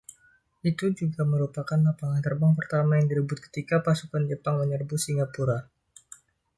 Itu juga merupakan lapangan terbang pertama yang direbut ketika pasukan Jepang menyerbu Singapura.